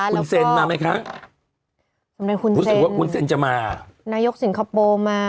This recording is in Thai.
แล้วก็